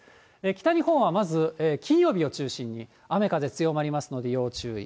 北日本はまず、金曜日を中心に雨、風強まりますので、要注意。